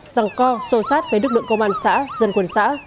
răng co sô sát với đực lượng công an xã dân quần xã